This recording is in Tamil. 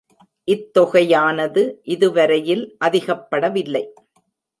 இத்தொகையானது இதுவரையில் அதிகப்படவில்லை.